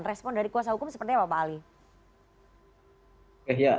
respon dari kuasa hukum seperti apa pak ali